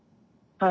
はい。